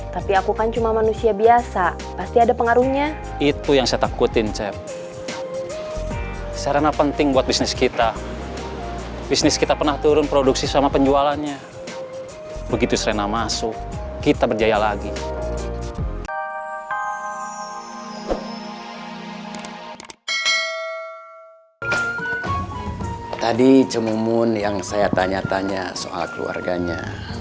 tadi cemumun yang saya tanya tanya soal keluarganya